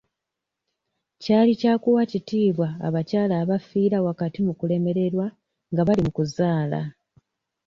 Kyali kya kuwa kitiibwa abakyala abafiira wakati mu kulemererwa nga bali mu kuzaala.